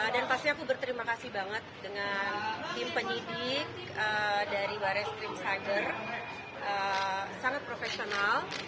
dan pasti aku berterima kasih banget dengan tim penyidik dari baris dream cyber sangat profesional